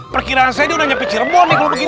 perkiraan saya dia udah nyampe ciremon nih kalo begini